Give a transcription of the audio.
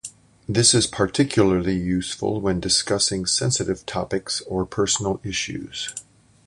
This is particularly useful when discussing sensitive topics or personal issues.